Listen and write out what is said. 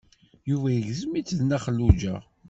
Yuba igzem-itt d Nna Xelluǧa.